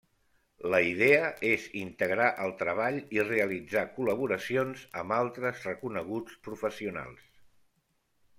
La idea és integrar el treball i realitzar col·laboracions amb altres reconeguts professionals.